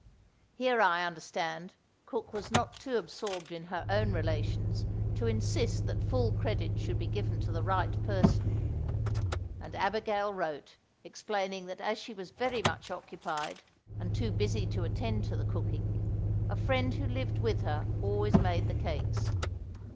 Here I understand cook was not too absorbed in her own relations to insist that full credit should be given to the right person; and Abigail wrote explaining that as she was very much occupied, and too busy to attend to the cooking, a friend who lived with her always made the cakes.